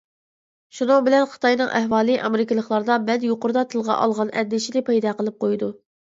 شۇنىڭ بىلەن خىتاينىڭ ئەھۋالى ئامېرىكىلىقلاردا مەن يۇقىرىدا تىلغا ئالغان ئەندىشىنى پەيدا قىلىپ قويىدۇ.